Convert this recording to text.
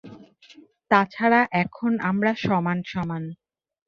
তাছাড়া এখন আমরা সমান সমান।